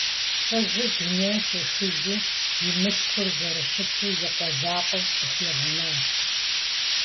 Лӏыжьыр дунейм щехыжым, и мылъкур зэрыщыту и къуэ закъуэм къыхуигъэнащ.